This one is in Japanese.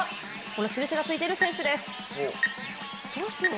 この印がついている選手です。